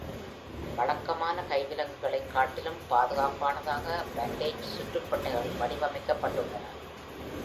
வழக்கமான கைவிலங்குகளை காட்டிலும் பாதுகாப்பானதாக பாண்டேஜ் சுற்றுப்பட்டைகள் வடிவமைக்கப்பட்டுள்ளன.